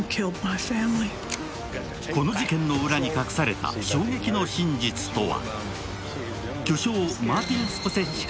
この事件の裏に隠された衝撃の真実とは？